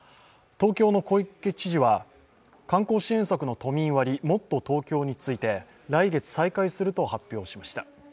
東京の小池知事は観光支援策の都民割もっとＴｏｋｙｏについて、来月再開すると発表しました。